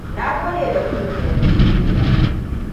Na gode da rubuta Yarjejeniyar.